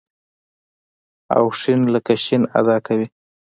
او ښ لکه ش ادا کوي.